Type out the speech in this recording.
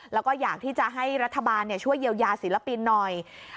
แล้วก็อยากที่จะให้รัฐบาลช่วยเยียวยาศิลปินหน่อย